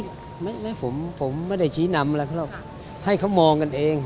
เราก็ให้ไม่เปล่าผมไม่ได้ชี้นำให้เขามองกันเอง